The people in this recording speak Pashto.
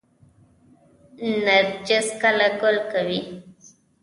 نرجس کله ګل کوي؟